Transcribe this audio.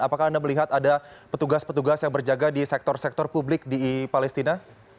apakah anda melihat ada petugas petugas yang berjaga di sektor sektor publik di palestina